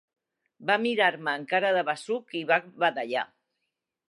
Va mirar-me amb cara de besuc i va badallar.